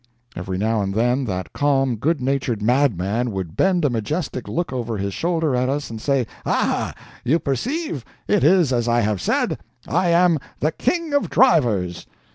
Every now and then that calm, good natured madman would bend a majestic look over his shoulder at us and say, "Ah, you perceive? It is as I have said I am the king of drivers."